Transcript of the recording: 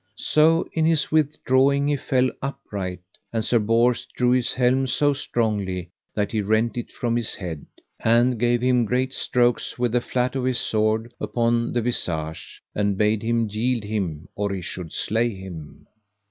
So in his withdrawing he fell upright, and Sir Bors drew his helm so strongly that he rent it from his head, and gave him great strokes with the flat of his sword upon the visage, and bade him yield him or he should slay him.